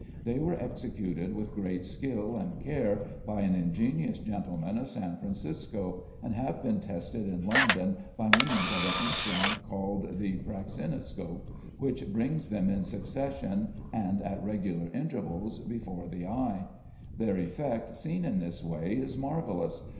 They were executed with great skill and care by an ingenious gentleman of San Francisco, and have been tested in London by means of an instrument called the praxinoscope, which brings them in succession and at regular intervals before the eye. Their effect seen in this way is marvellous.